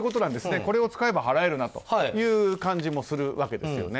これを使えば払えるなという感じもするわけですよね。